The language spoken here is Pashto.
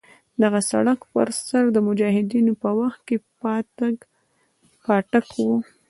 د دغه سړک پر سر د مجاهدینو په وخت کې پاټک وو.